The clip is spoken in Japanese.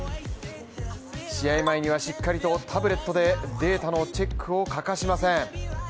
試合前にはしっかりとタブレットでデータのチェックを欠かしません。